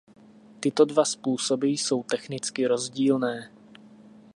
Tyto dva způsoby jsou technicky rozdílné.